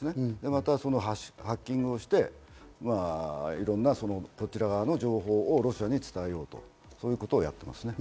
またハッキングをして、こちらの情報をロシアに伝えようということをやっていますね。